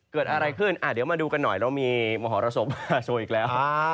เกิดอะไรขึ้นเดี๋ยวมาดูกันหน่อยเรามีมหรสบโชว์อีกแล้ว